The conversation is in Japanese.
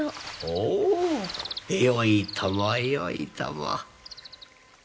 おおよいともよいとも。